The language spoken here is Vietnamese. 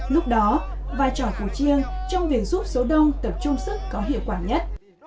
lúc đó vai trò của chiêng trong việc giúp số đông tập trung sức có hiệu quả nhất